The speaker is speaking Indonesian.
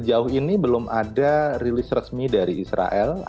sejauh ini belum ada rilis resmi dari israel